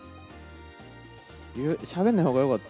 しゃべんないほうがよかった？